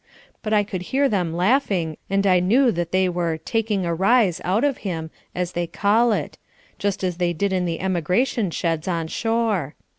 But I could hear them laughing, and I knew that they were "taking a rise out of him," as they call it, just as they did in the emigration sheds on shore.